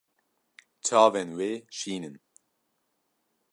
Çavên wê şîn in.